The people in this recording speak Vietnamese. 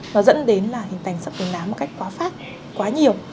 nó dẫn đến hình thành sắc tố nám quá phát quá nhiều